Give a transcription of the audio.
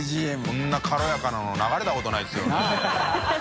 こんな軽やかなの流れたことないですよね。）なぁ。